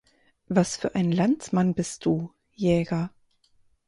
Was für ein Landsmann bist du, Jäger?